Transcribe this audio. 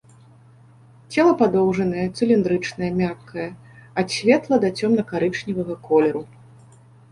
Цела падоўжанае, цыліндрычнае, мяккае, ад светла- да цёмна-карычневага колеру.